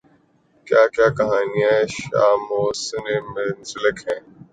کیا کیا کہانیاںان شاموںسے منسلک ہیں۔